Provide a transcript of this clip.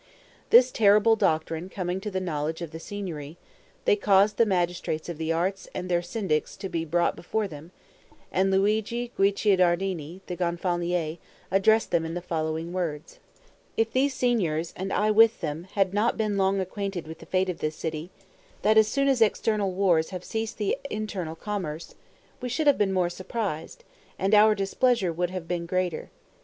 This terrible doctrine coming to the knowledge of the Signory, they caused the magistrates of the Arts and their Syndics to be brought before them, and Luigi Guicciardini, the Gonfalonier, addressed them in the following words: "If these Signors, and I with them, had not long been acquainted with the fate of this city, that as soon as external wars have ceased the internal commence, we should have been more surprised, and our displeasure would have been greater.